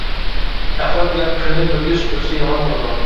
ئەخلەت بىلەن كۈلنى بىرگە سۈپۈرسە يامان بولىدۇ.